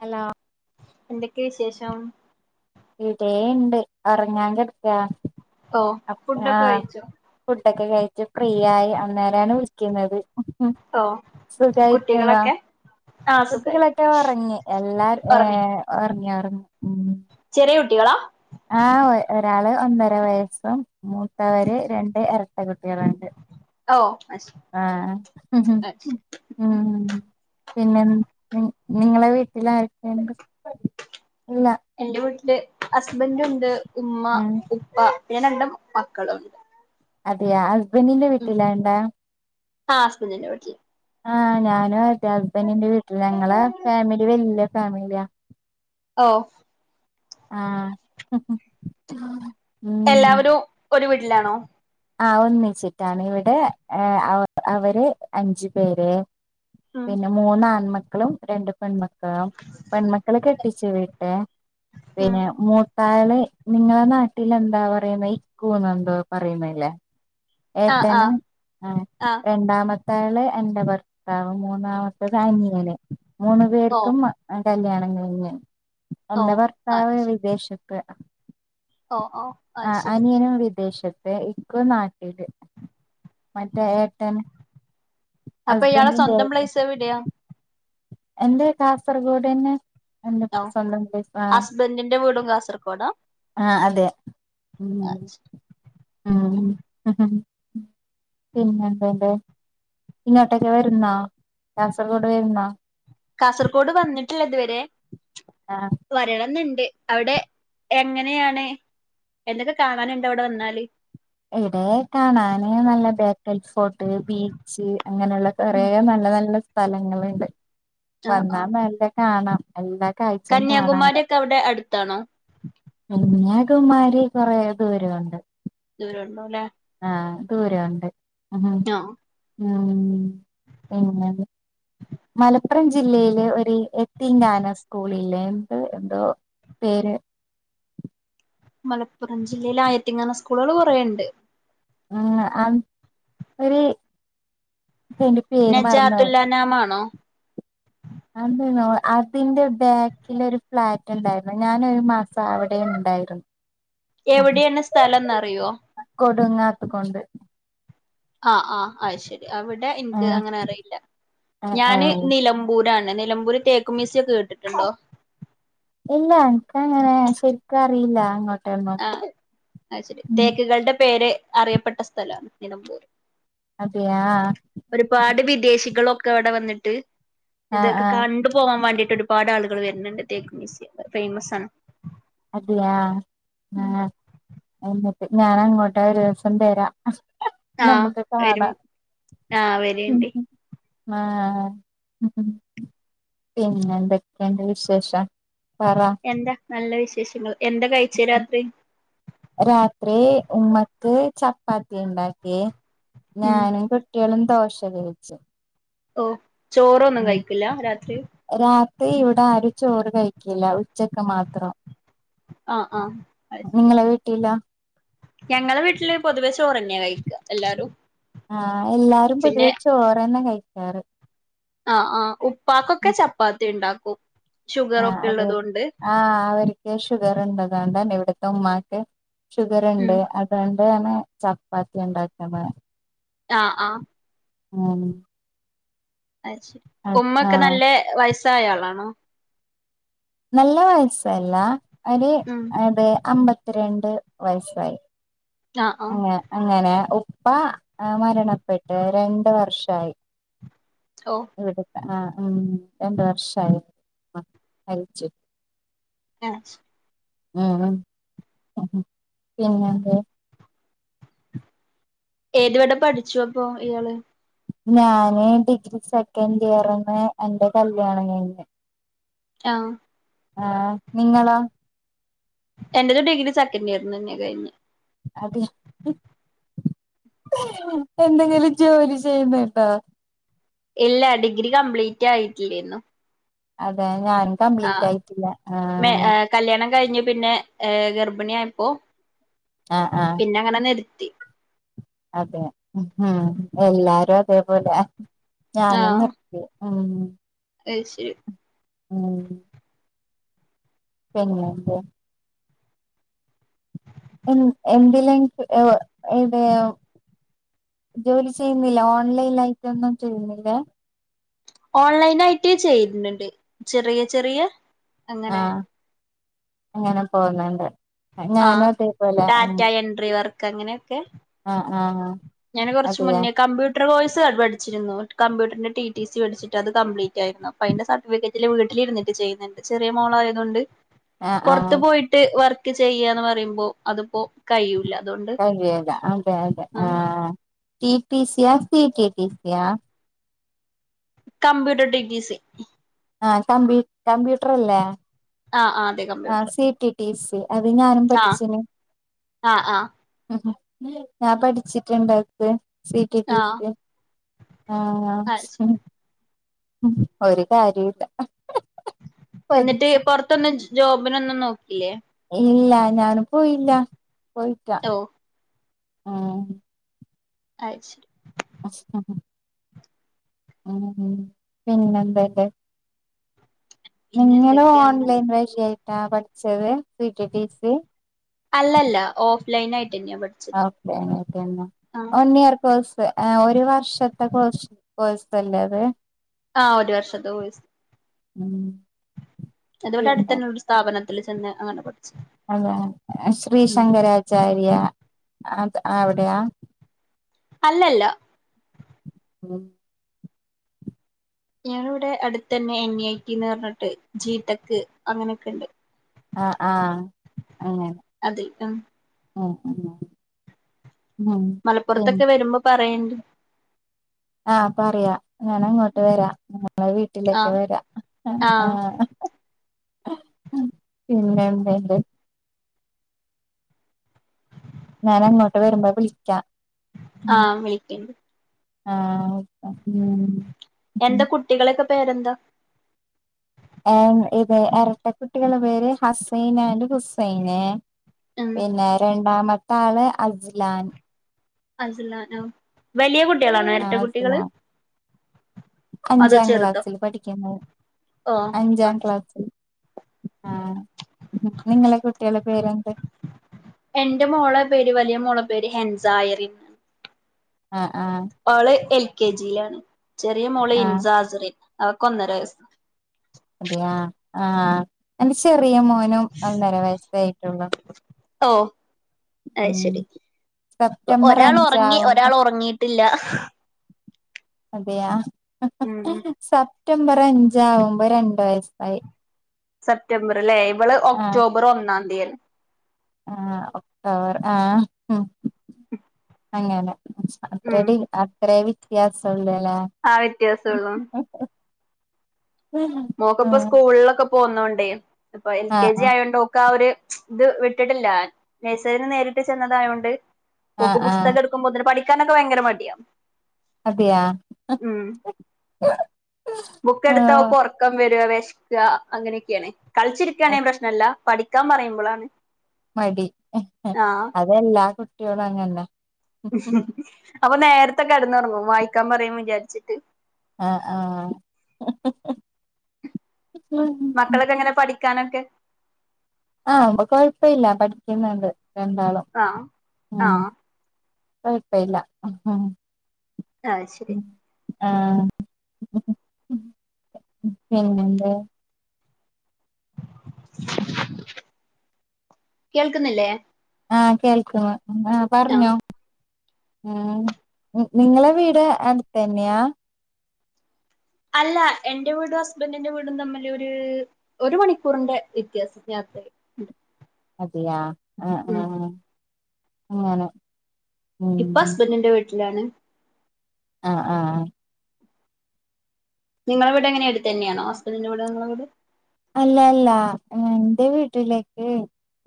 Hello എന്തൊക്കെ വിശേഷം ഇവിടെണ്ട് ഒറങ്ങാൻ കിടക്കാ ഓ ഫുഡൊക്കെ ആ കഴിച്ചോ ഫുഡൊക്കെ കഴിട്ടു ഫ്രീ ആയി അന്നേര വിളിക്കുന്നത് ഓ സുഖരിക്കുന്നാ കുട്ടികളൊക്കെ ആ സുഖായി കുട്ടികളൊക്കെ ഒറങ്ങി എല്ലാ ഉറങ്ങി ഏർ ഒറങ്ങി ഒറങ്ങി ഉം ചെറിയ കുട്ടികളാ ആ് ഒരാള് ഒന്നര വയസ്സും മൂത്തവര് രണ്ട് ഇ പെൺകുട്ടികളായോണ്ട് ഓ ആഹ് ഹ് ഹും മ് പിന്നെ നിങ്ങളെ വീട്ടില് ആരെക്കെണ്ട് എന്റെ വീട്ടില് ഹസ്ബൻ്റുണ്ട് ഉമ്മ ഉം ഉപ്പ രണ്ട് മക്കളുണ്ട് അതെയാ ഹസ്ബൻഡിന്റെ ഉം വീട്ടില എണ്ടാ ആ ഹസ്ബൻഡിന്റെ വീട്ടില് ആഹ് ഞാനും അതെ ഹസ്ബൻഡിന്റെ വീട്ടില ഞങ്ങളെ ഫാമിലി വല്യ ഫാമിലിയാ ഓ ആഹ് ഹ് ഹ് എല്ലാവരും ഒരു വീട്ടിലാണോ ആ ഒന്നിച്ചിട്ടാണ് ഇവിടെ അവര് അഞ്ചു പേര് ഉം പിന്നെ മൂന്ന് ആൺമക്കളും രണ്ട് പെൺമക്കള് പെൺമക്കളെ കെട്ടിച്ചു വീട്ട ഉം പിന്നെ മൂ താവിനെ നിങ്ങളെ നാട്ടിൽ എന്താ പറയുന്നത് ഇക്കൂന്ന് എന്തോ പറയുന്നല്ല ആ ആ ഏട്ടന് ആ രണ്ടാമത്ത ആള് എന്റെ ഭർത്താവ് മൂന്ന് ഒന്നാമത്തെത് അനിയന് മൂന്നു ഓ പേർക്കും കല്യാണം കഴിഞ്ഞ് ഓ എന്റെ ആ ഭര്ത്താവ് വിദേശത്ത് ഓ ഓ ആ ശരി അനിയനും വിദേശത്ത് ഇക്കൂ നാട്ട് ത് മറ്റേ അപ്പൊ ഇയാളെ ഹസ്ബൻഡിന്റെ സ്വന്തം ഏട്ടൻ പ്ലേസ് എവിടെയാ എന്റെ കാസർഗോഡ്ന് എൻ്റെ സ്വന്തം ആ കാസർഗോട ആഹ് അതെ മ് ഉം ഹ് ഹ് പിന്നെ എന്തോണ്ട് ഇങ്ങോട്ടേക്ക് വരുന്നൊ കാസർഗോഡ് വരുന്നൊ കാസർഗോഡ് വന്നിട്ടില്ല ഇതുവരെ ആ വരടുന്നുുണ്ട് അവിടെ എങ്ങനെയാണ് എന്തൊക്കെ കാണാനുണ്ട് അവിടെ വന്നാല് ഇവിടെ കാണാന് നല്ല ബേക്കൽ ഫോർട്ട് ബീച്ച് അങ്ങനെയുള്ള കുറേ ഉം നല്ല നല്ല നല്ല സ്ഥലങ്ങളണ്ട് ആഹ് വന്നാ ആഹ് നല്ല കാണാം എല്ല കാഴ്ചയും കന്യാകുമാരി കാണറ ഒക്കെ അവിടെ അടുത്താണോ അമാരി [unintelligible] കൊറെേ ദൂരമുണ്ട് ദം ഉണ്ടോല്ലേ ആ ദൂരുണ്ട് ഉ ആഹ് പിന്ന മലപ്പുറം ജില്ലയിലെ ഒരു എത്തിങ്കാന സ്കൂള ഇില്ലന്ത് എന്തോ പേര് മലപ്പുറം ജില്ലയിൽ ആയിത്തിങ്ങാന [unintelligible] സ്കൂളുകൾ കുറെയണ്ട് ഉ ആ ഒരു അ എന്റെ പേര് മറന്നായി നജാത്തുല്ലാനാമാണോ അതെന്തനോ അതിന്റെ ബാക്കിൽ ഒരു ഫ്ലാറ്റ് ഉണ്ടായിരുന്നു ഞാനൊരു മാസം അവിടെ [unintelligible] എതായിരും എവിടെയാണ് സ്ഥലം എന്നറിയോ ടുങ്ങാത്ത കൊണ്ട് ആ ആഹ അ ശരി അവിടെ എനിക്ക് ആഹ് അങ്ങനെ അറിയില്ല ആഹ് ഞാന് ആഹ് നിലമ്പൂരാണ് നിലമ്പൂരി തേക്ക മിസി ഒക്കെ കേട്ടിട്ടുണ്ടോ ഇല്ല എനക്ക് അങ്ങനെ ശരിക്കറിയില്ല അങ്ങോട്ട് ആ അ ശരി തേക്കുകളുടെ പേര് അറിയപ്പെട്ട സ്ഥലമാണ് നിലമ്പൂർ അതെയാ ഒരുപാട് വിദേശികളൊക്കെ അവിടെ വന്നിട്ട് ആഹ് ഇതൊക്കെ ആഹ് കണ്ടു പോകാൻ വേണ്ടിട്ട് ട്ട് ഒരുപാട് ആളുകൾ വരുന്നുണ്ട് തേക്കും [unintelligible] ഫേമസ്സ് ആണ് അതെയാ ഞാന അങ്ങോട്ട് ഒരു ദിവസം വാരാ ആഹ് നമ്മുക്ക് വരും കാണാം ആഹ് വരണ്ട് ആ പിന്നെ എന്തൊക്കെയുണ്ട് വിശേഷം പറ എന്താ നല്ല വിശേഷള്ളോ എന്താ കഴിച്ചേ രാത്രി അ ഉമ്മക്ക് ചപ്പാത്തി ഉണ്ടാക്കി ഉം ഞാനും കുട്ടികളും [unintelligible] ന്തസരച്ച ഓ ചോറൊന്നും കഴിക്കില്ല രാത്രി ഏയ് ഇവിടെ ആരും ചോറ് കഴിക്കില്ല ഉച്ചക്ക് മാത്രം ആഹ് ആഹ് അത് ശരി നിങ്ങളെ വീട്ടിലാ ഞങ്ങളെ വീട്ടില് പൊതുവെ ചൊ ആഹ് എല്ലാരും പിന്നെ പൊതുവെ ചോറ്ന്നെ കഴിക്കാറ് ആ ആഹ് ഉപ്പാക്കൊക്കെ ചപ്പാത്തി ഉണ്ടാക്കും ഷുഗർ ആഹ് ഒക്കെ അതെ ഉള്ളത് കൊണ്ട് ആഹ്. അവര് ക് ഷുഗർ ഇണ്ട് അതോണ്ടന്നെ ഇവിടുത്തെ ഉമ്മാക്ക് ഷുഗർ ഉം ഉണ്ട് അതോ ണ്ട് തന്നെ ചപ്പാത്തി ഉണ്ടാക്കുണത് ആഹ് ആഹ് [unintelligible] അത് ശരി ആഹ് ഉമ്മക്കെ ആഹ് നല്ല വയസ്സായ ആളാണോ നല്ല വയസ്സല്ല ഒരു ഉം അത് അമ്പത്തിരണ്ട് വയസായി ആഹ് ആഹ് അങ്ങ അങ്ങനെ ഉ പ്പ മരണപ്പെട്ട് രണ്ട് വർഷായി ഓ ഇവിടത്തെ ആ ഉം രണ്ട് വർഷായി ആ മരിച്ചു ആ ഉം പിന്നെന്താ ഏത് വരെ പഠിച്ചു അപ്പൊ ഇയാള് ഞാന് ഡിഗ്രി സെക്കൻഡ് ഇയർന്ന് എന്റെ കല്യാണം കയ്ഞ് ആഹ് ആ നിങ്ങളൊ എന്റെ ഒരു ഡിഗ്രി സെക്കൻഡ് ഇയർന്ന് തന്നെയാ കഴിഞെ അതെ എന്തെങ്കിലും ജോലി ചെയ്യുന്ന് ണ്ടോ ഇല്ല ഡിഗ്രി കംപ്ലീറ്റ് ആയിട്ടില്ലേരുന്നു അതെ ഞാനും കംപ്ലീറ്റ് ആയിട്ടില്ല ആഹ് കഴിഞ്ഞു പിന്നെ ഗർഭിണി ആയപ്പോ ആഹ് ആഹ് പിന്നെ അങ്ങനെ നിർ ത്തി അതെ ഉഹും എല്ലാരും അതേപോലെ ഞാനും നിർത്തി ഉം അഹ് ശരി ഉം പിന്നന്തേ എൻ എന്തില [unintelligible] ജോലി ചെയ്യുന്നില്ല ഓൺലൈൻ ലായിട്ടൊന്നും ചെയ്യുന്നില്ല ഓൺലൈൻ ആയിട്ട് ചെയ്ത് ണ് ണ്ട് ചെറിയ ചെറിയ അങ്ങനെ ആഹ് അങ്ങനെ പോവ്ന്നുണ്ട് ഞാനും അത് പോലെ ക്ക അങ്ങനെയൊക്കെ ഞാൻ കുറച്ച് അതെയാ മുന്നേ കമ്പ്യൂട്ടർ കോഴ്സ് പഠിച്ചിരുന്നു കമ്പ്യൂട്ടറിന്റെ ടി ടി സി പഠിച്ചിട്ട് അത് കംപ്ലീറ്റ് ആയിരുന്നു. അപ്പ അതിന്റെ സർട്ടിഫിക്കറ്റില് വീട്ടിലിരിന്നിട്ട് ചെയ്യ്ന്ന്ണ്ട്. ചെറിയ മോളായയതുകൊണ്ട് ആഹ് ആഹ് പുറത്ത് പോയിട്ട് വർക്ക് ചെയ്യാന്ന് പറയുമ്പോ അതിപ്പോ കയ്യൂല്ല കയ്യേല അതെ അതെ ആഹ് ടി പി സിയ? ടി ടി ടി സിയാ? കമ്പ്യൂട്ടർ ടി ടി സി ആഹ് കമ്പി കമ്പ്യൂട്ടർ അല്ലേ ആ ആ അതെ കമ്പ്യൂട്ടർ ട്ടി സി. അത് ഞാനും ആ പഠിച്ച്ന് ആ ആ ഞാൻ പഠിച്ചിട്ടുണ്ട് അത് സി ടി ടി ആ സി ആന്ന് അത് ശരി ഒരു കാര്യൂല്ല എന്നിട്ട് പുറത്തൊന്നും ജോബിനൊന്നും നോക്കിയില്ലേ ഇല്ല ഞാന് പോയില്ല പോയിട്ടാ ഓ ആ അയ് ശരി ഉം പിന്നെ എന്തല്ല പിന്നെ നിങ്ങള് എന്തൊക്കെയാന്ന് ഓൺലൈൻ വഴിയായിട്ടാ പഠിച്ചത് പി ടി ടി സി അല്ലല്ല ഓ ഓഫ് ലൈനായിട്ടന്നെ ആ വൺ ഇയർ കോഴ്സ് പ് ആ ഒരു വർഷത്തെ കോഴ്ഷ് കോഴ്സല്ലേ അത് ആഹ് ഒരു വർഷത്തെ കോഴ്‌സ് ഉം അത് വടെ പിന്നെ അടുത്തന്നെ ഒരു സ്ഥാപനത്തിൽ ചെന്ന് അങ്ങനെ പഠി അതോ ശ്രീ ശങ്കരാചാര്യ അത് അവിടെയാ അല്ലല്ല ഉം ഞാനിവിടെ അടുത്ത തന്നെ എൻ ഐ ടി ന്ന് പറഞ്ഞിട്ട് ജീടെക്ക് അങ്ങനെയൊക്കെ ഉണ്ട് ആഹ് ആഹ് അങ്ങനെ അതിൽ ഉം ഉം ഉം ഉം പിൻ മലപ്പുറത്തൊക്കെ വരുമ്പോ പറയണ്ട് ആഹ് പറയാ ഞാനങ്ങോട്ട് വരാ ഇങ്ങളെ ആ വീട്ടിലൊക്കെ വരാ ആ ആഹ് പിന്നെ എന്ത്ണ്ട് ഞാൻ അങ്ങോട്ട് വരുമ്പോ ബിളിക്കാ ആഹ് വിളിക്കണ്ട് ആ ഓക്കെ ഉം പേരന്ത ഏഹ് ഇത് എരട്ട കുട്ടികളെ പേര് ഹസൈൻ ആൻഡ് ഹുസൈന് ഉം പിന്നെ രണ്ടാമത്തെ ആള് അജ്‌ലാൻ അജ്ലാനോ വലിയ കുട്ടികളാണോ എരട്ട ആഹ് കുട്ടികള് അസ്ലാൻ അതോ അഞ്ചാം ചെറുതോ ക്ലാസ്സിൽ പഠിക്കുന്നത് ഓ അഞ്ചാം ആഹ് ക്ലാസ്സിൽ ആ നിങ്ങളെ കുട്ടികളെ പേരെന്ത് എന്റെ മോളെ പേര് വലിയ മോളെ പേര് ഹെൻസാ അയറി ആഹ് ആഹ് കെ ജിയിലാണ് ചെറിയ മോള് ആഹ് ഇൻസ അസറി അവക്ക് ഒന്നര വയസ് അതയാ ആഹ് എന്റെ ചെറിയ മോനും ഒന്നര വയസായിട്ടുള്ളൂ ഓ അഹ്ശരി സെപ്റ്റംബർ ഒരാൾ ഒറങ്ങി അഞ്ചാവുമ്പോ ഒരാൾ ഒറങ്ങിട്ടില്ല അതെയാ ഉം സെപ്റ്റംബർ അഞ്ചാവുമ്പോ രണ്ട് വയസ്സായി സെപ്റ്റംബർ ലേ ഇവള് ആഹ് ഒക്ടോബർ ഒന്നാം തീയാണ് ആഹ് ഒക്ടോബർ ആഹ് അങ്ങനെ അത്ര ഉം ടിൽ അത്രേ വ്യത്യാസം ഉള്ളേ ലോ ആ വ്യത്യാസള്ളൂ മോക്ക് ഇപ്പ സ്കൂളിലൊക്കെ പോന്നോണ്ടേ ഇപ്പൊ എൽ കെ ആഹ് ജി ആഹ് ആയൊണ്ട് ഓക്ക് ആ ഒരു ഇത് വിട്ടിട്ടില്ല നഴ്സറിന്ന് നേരിട്ട് ചെന്നതായൊണ്ട് ആഹ് ഓക്ക് ആഹ് പുസ്തകം എടുക്കുമ്പോത്ത് ന് പഠിക്കാനൊക്കെ ഭയങ്കര മടിയാ അതെയാ ഉം ആഹ് വര വെശക്ക അങ്ങനെയൊക്കെയാണേയ് കളിച്ചിരിക്കയാണെ അത് പ്രശ്നല്ല പഠിക്കാൻ പറയുമ്പളാണ് മടി ആഹ് അതെല്ലാ കുട്ടികളും അങ്ങന്നെ അപ്പൊ നേരത്തെ കെടന്നുറങ്ങും വായിക്കാംപറയും വിചാര്ച്ചിട്ട് ആ ആ മക്കളൊക്കെ എങ്ങനെ പഠിക്കാനൊക്കെ ആ കൊഴപ്പയില്ല പഠിക്കുന്നുണ്ട് രണ്ടാളും ആഹ് ഉം ആഹ് കൊഴപ്പില്ല ആ ശരി ആ പിന്നെന്തേ കേൾക്കുന്നില്ലേ ആ കേൾക്കുന്ന് ങ്ങള് പറഞ്ഞോ ആഹ് ഉം നിങ്ങളെ വീട് അടുത്തന്നെയാ അല്ല എന്റെ വീടും ഹസ്ബൻഡന്റെ വീടും തമ്മിൽ ഒരു ഒരു മണിക്കൂറിന്റെ വ്യത്യാസത്തി അതയാ ആ ആ ഉം അങ്ങനെ ഉം ഇപ്പം ഹസ്ബറിന്റെ വീട്ടിലാണ് ആ ആ ആ നിങ്ങളെവിടെ എങ്ങനെയ അടുത്തെന്നെയാണോ ഹസ്ബൻറിന്റെ വട് നിങ്ങളുടെ വീട് അല്ല അല്ല എന്റെ വീട്ടിലേക്ക്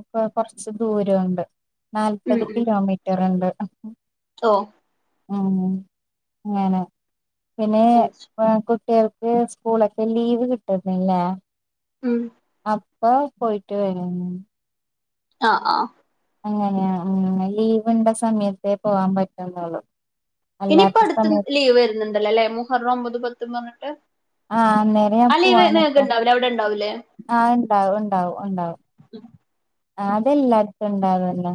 ഇപ്പൊ കൊറച്ച് ദൂരവൂണ്ട് ഉം നാല്പത് ഉം കിലോമീറ്റർ ഒണ്ട് ഓ ഉം അങ്ങനെ പിന്നെ [unintelligible] കുട്ടികൾക്ക് സ്കൂളൊക്കെ ലീവ് കിട്ടന്നില്ലേ ഉം അപ്പ പോയിട്ട് വരും ആ ആ അങ്ങനെയ ഉം ലീവിണ്ട സമയത്തേ പോവാൻ പറ്റുന്നുള്ളു ഇനിയിപ്പൊ അടുത്ത് ലീവ് വരുന്നുണ്ടല്ലോ അല്ലേ മൂഹറം ഒമ്പത് പത്തും പറഞ്ഞിട്ട് ആ അന്നേരം ഞാൻ ആ ലീവ് പോവാൻ നിക്ക നിങ്ങക്ക് ഉണ്ടാവില്ലേ അവിടെ ഉണ്ടാവൂലേ ആ ഇണ്ടാവും ഇണ്ടാവും ഒണ്ടാവും ആ അതെല്ലായിടത്തും ഇണ്ടാവല്ലോ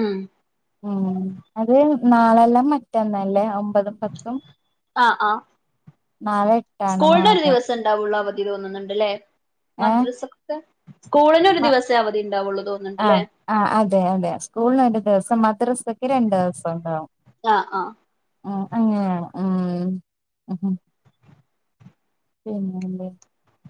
ഉം ഉം അത് നാളെല്ലാം മറ്റന്നല്ലേ മ്പത പത്തും ആഹ് ആഹ് നാല എട്ടാണ് വാഗം തോന്നുന്നുണ്ട്ല്ലേ മദ്രസക്കക്കെ ആ തോന്നുന്നുണ്ടല്ലേ ആ അതെ അതെ സ്കൂളിന് ഒരു ദിവസം മദ്രസ്സേ രണ്ടു ദിവസം ഉണ്ടാവും ആഹ് ആ ഉം അങ്ങനാണ് ഉം [inaudible]